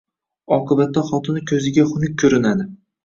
Oqibatda xotini ko‘ziga xunuk ko‘rinadi.